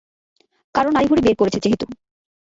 কারো নাড়িভুড়ি বের করেছে যেহেতু।